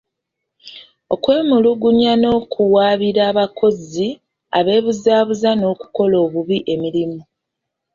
Okwemulugunya n'okuwaabira abakozi abeebuzabuza n'okukola obubi emirimu.